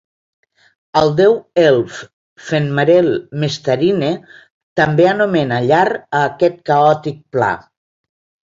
El deu elf Fenmarel Mestarine també anomena llar a aquest caòtic pla.